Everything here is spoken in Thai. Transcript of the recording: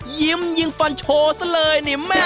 ยิ้มยิ่งฟันโชว์ซะเลย